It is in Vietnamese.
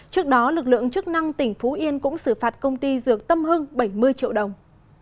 trước đó lực lượng chức năng tỉnh phú yên cũng xử phạt công ty dược tâm hưng bảy mươi triệu đồng